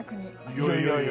いやいやいやいや。